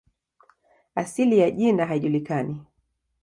Asili ya jina haijulikani.